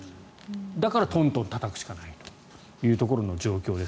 だから、トントンたたくしかないというところの状況です。